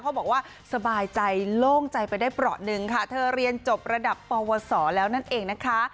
บอกว่าสบายใจโล่งใจไปได้เปราะหนึ่งค่ะเธอเรียนจบระดับปวสอแล้วนั่นเองนะคะ